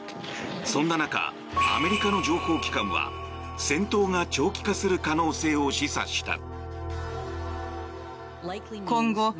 そんな中、アメリカの情報機関は戦闘が長期化する可能性を示唆した。